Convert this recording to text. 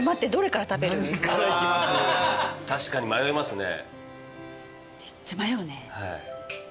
確かに迷いますね。